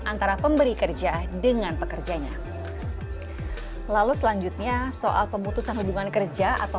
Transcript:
antara pemberi kerja dengan pekerjanya lalu selanjutnya soal pemutusan hubungan kerja atau